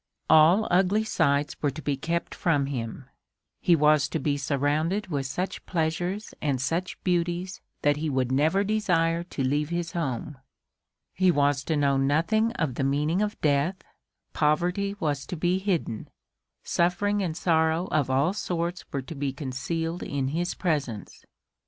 All ugly sights were to be kept from him; he was to be surrounded with such pleasures and such beauties that he would never desire to leave his home; he was to know nothing of the meaning of death; poverty was to be hidden; suffering and sorrow of all sorts were to be concealed in his presence.